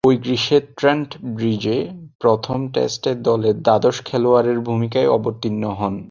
ঐ গ্রীষ্মে ট্রেন্ট ব্রিজে প্রথম টেস্টে দলের দ্বাদশ খেলোয়াড়ের ভূমিকায় অবতীর্ণ হন।